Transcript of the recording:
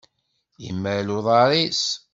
Imal uḍar-is.